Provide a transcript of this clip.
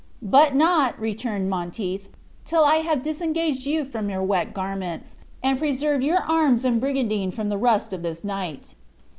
"But not," returned Monteith, "till I have disengaged you from your wet garments, and preserved your arms and brigandine from the rust of this night."